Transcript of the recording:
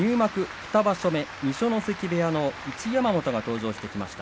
２場所目二所ノ関部屋の一山本が登場してきました。